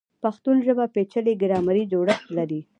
پښتو ژبه پیچلی ګرامري جوړښت لري.